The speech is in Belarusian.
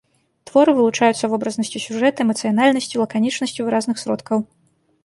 Творы вылучаюцца вобразнасцю сюжэта, эмацыянальнасцю, лаканічнасцю выразных сродкаў.